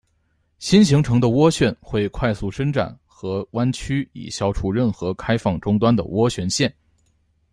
新形成的涡旋会快速伸展和弯曲以消除任何开放终端的涡旋线。